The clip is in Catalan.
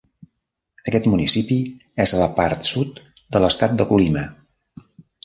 Aquest municipi és a la part sud de l'estat de Colima.